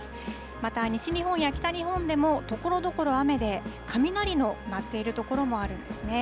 また西日本や北日本でも、ところどころ雨で、雷の鳴っている所もあるんですね。